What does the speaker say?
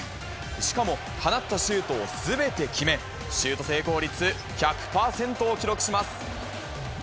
しかも、放ったシュートをすべて決め、シュート成功率１００％を記録します。